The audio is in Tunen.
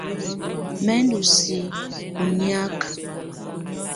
Mɛ̀ ndù siǝ́ ù niaka.